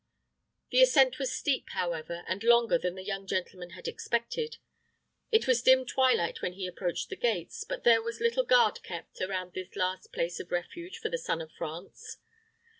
The ascent was steep, however, and longer than the young gentleman had expected. It was dim twilight when he approached the gates, but there was little guard kept around this last place of refuge of the son of France.